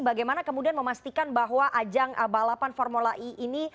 bagaimana kemudian memastikan bahwa ajang balapan formula e ini